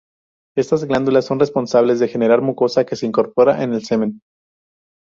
Estas glándulas son responsables de generar mucosa que se incorpora en el semen.